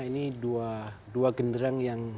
ini dua genderang yang